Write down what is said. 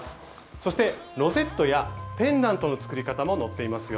そしてロゼットやペンダントの作り方も載っていますよ。